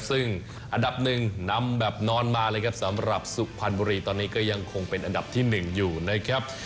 ซึ่งอันดับหนึ่งนำแบบนอนมาเลยครับสำหรับสุพรรณบุรีตอนนี้ก็ยังคงเป็นอันดับที่๑อยู่นะครับ